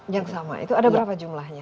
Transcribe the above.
yang sama itu ada berapa jumlahnya